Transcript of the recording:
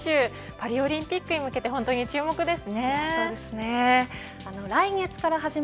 パリオリンピックへ向けて本当に注目です